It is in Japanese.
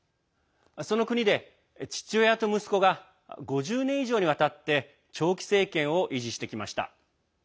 その国で、父親と息子が５０年以上にわたって長期政権を維持してきました。